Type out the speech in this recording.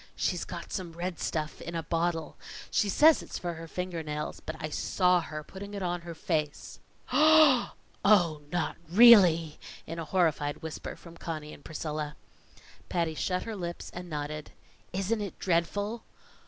"She's got some red stuff in a bottle. She says it's for her finger nails, but I saw her putting it on her face." "Oh! not really?" in a horrified whisper from Conny and Priscilla. Patty shut her lips and nodded. "Isn't it dreadful?"